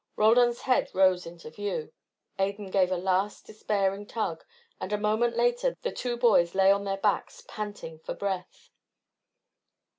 Roldan's head rose into view, Adan gave a last despairing tug, and a moment later the two boys lay on their backs, panting for breath.